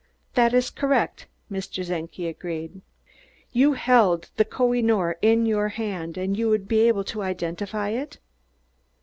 "That is correct," Mr. Czenki agreed. "You held the Koh i noor in your hand, and you would be able to identify it?"